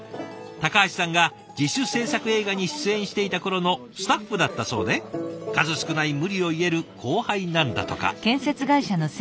橋さんが自主製作映画に出演していた頃のスタッフだったそうで数少ない無理を言える後輩なんだとか。